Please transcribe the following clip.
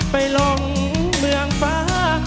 ไปลงเมืองฟ้า